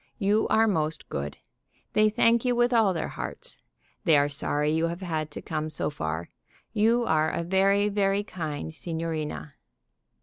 You are most good. They thank you with all their hearts. They are sorry you have had to come so far. You are a very, very kind signorina."